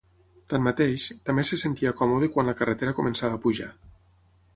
Tanmateix, també se sentia còmode quan la carretera començava a pujar.